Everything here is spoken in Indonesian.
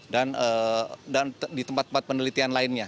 dan di tempat tempat penelitian lainnya